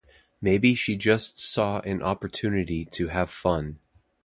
Maybe she just saw an opportunity to have fun.